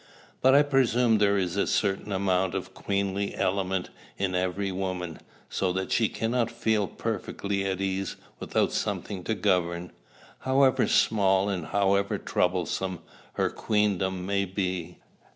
But I presume there is a certain amount of the queenly element in every woman, so that she cannot feel perfectly at ease without something to govern, however small and however troublesome her queendom may be.